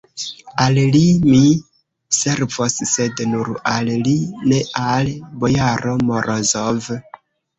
Al li mi servos, sed nur al li, ne al bojaro Morozov.